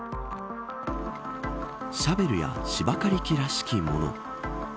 シャベルや芝刈り機らしきもの。